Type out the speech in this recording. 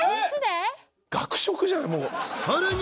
［さらに］